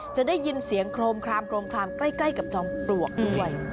จะได้ยินเสียงโครมคลามใกล้กับจอมปลวกด้วย